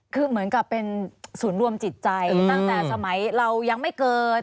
คือเหมือนกับเป็นศูนย์รวมจิตใจตั้งแต่สมัยเรายังไม่เกิด